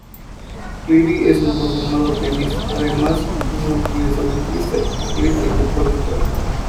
Cleary es un consumado pianista, además de multinstrumentista, vocalista y compositor.